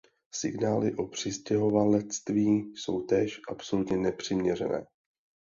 Signály o přistěhovalectví jsou též absolutně nepřiměřené.